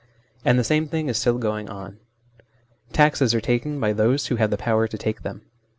And the same thing is still going on. Taxes are taken by those who have the power to take them.